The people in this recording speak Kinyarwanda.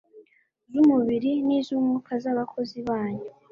zumubiri nizumwuka zabakozi banyu